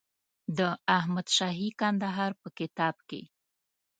د احمدشاهي کندهار په کتاب کې.